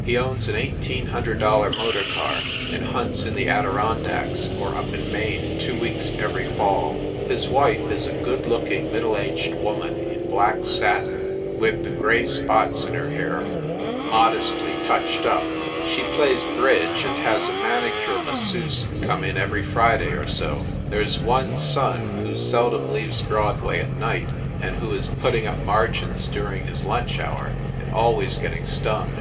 He owns an eighteen hundred dollar motor car and hunts in the Adiron dacks or up in Maine two weeks every fall. His wife is a good looking, middle aged woman in black satin, with the gray spots in her hair modestly 104 FIND THE WOMAN touched up. She plays bridge and has a manicure masseuse come in every Friday or so. There s one son who seldom leaves Broadway at night, and who is putting up margins during his lunch hour, and al ways getting stung.